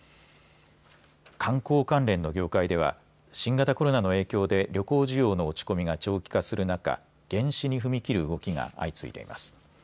観光関連の業界では新型コロナの影響で旅行需要の落ち込みが長期化する中、減資に踏み切る動きが相次いでいます。